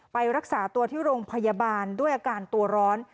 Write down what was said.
ไปรักษาตัวที่โรงพยาบาลด้วยอาการตัวร้อน